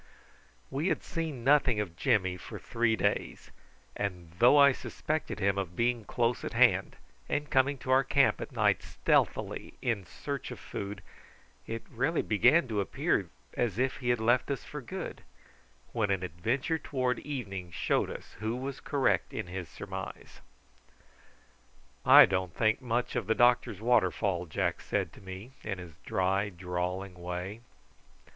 We had seen nothing of Jimmy for three days, and though I suspected him of being close at hand, and coming to our camp at night stealthily in search of food, it really began to appear as if he had left us for good, when an adventure towards evening showed us who was correct in his surmise. "I don't think much of the doctor's waterfall," Jack said to me, in his dry drawling way.